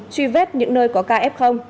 truy vết những nơi có ca f